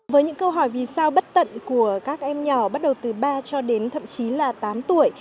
với những câu hỏi vì sao bất tận của các em nhỏ bắt đầu từ ba cho đến thậm chí là tám tuổi